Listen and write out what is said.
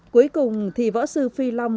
cuối cùng thì võ sư phi long